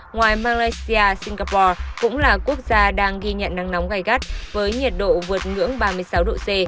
ngoài malaysia singapore cũng là quốc gia đang ghi nhận nắng nóng gai gắt với nhiệt độ vượt ngưỡng ba mươi sáu độ c